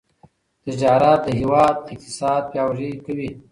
تجارت د هیواد اقتصاد پیاوړی کوي.